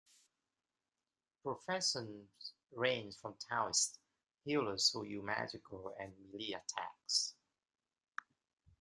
Professions range from Taoist, healers who use magical and melee attacks.